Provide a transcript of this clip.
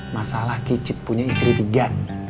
masalah kicit punya istri tiga